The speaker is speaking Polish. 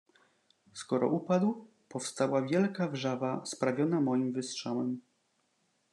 "Skoro upadł, powstała wielka wrzawa sprawiona moim wystrzałem."